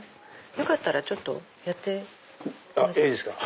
よかったらやってみますか？